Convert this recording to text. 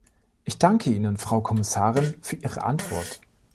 Ich danke Ihnen, Frau Kommissarin, für Ihre Antwort.